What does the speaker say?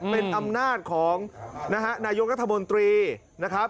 เป็นอำนาจของนะฮะนายกรัฐมนตรีนะครับ